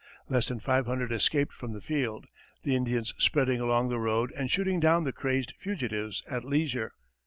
Less than five hundred escaped from the field, the Indians spreading along the road and shooting down the crazed fugitives at leisure.